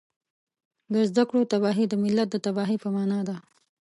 د زده کړو تباهي د ملت د تباهۍ په مانا ده